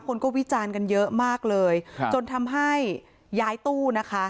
คนก็วิจารณ์กันเยอะมากเลยครับจนทำให้ย้ายตู้นะคะ